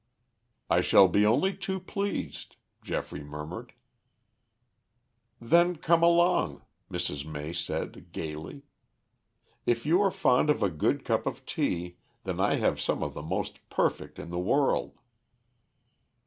"I shall be only too pleased," Geoffrey murmured. "Then come along," Mrs. May said gaily. "If you are fond of a good cup of tea, then I have some of the most perfect in the world."